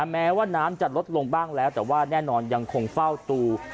แม้ว่าน้ำจะลดลงบ้างแล้วแต่ว่าแน่นอนยังคงเฝ้าตู